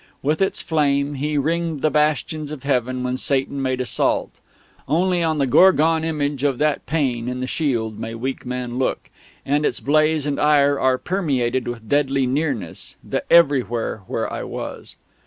With its flame He ringed the bastions of Heaven when Satan made assault. Only on the Gorgon image of that Pain in the shield may weak man look; and its blaze and ire had permeated with deadly nearness the "everywhere" where I was...